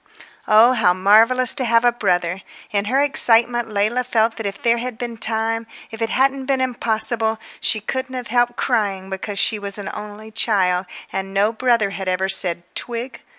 Oh, how marvellous to have a brother! In her excitement Leila felt that if there had been time, if it hadn't been impossible, she couldn't have helped crying because she was an only child, and no brother had ever said "Twig?"